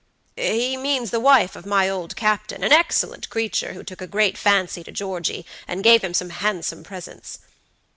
"He means the wife of my old captainan excellent creature, who took a great fancy to Georgey, and gave him some handsome presents."